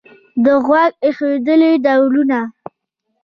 د غوږ ایښودنې ډولونه